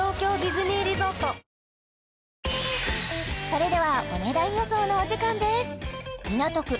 それではお値段予想のお時間です港区